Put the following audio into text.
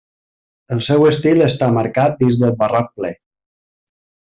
El seu estil està marcat dins del Barroc ple.